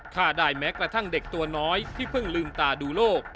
ฆ่าได้แม้กระทั่งเด็กตัวน้อยที่เพิ่งลืมตาดูโลก